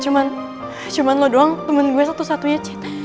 cet cuman lo doang temen gue satu satunya